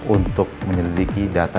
untuk menyelidiki data